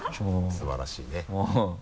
素晴らしいね。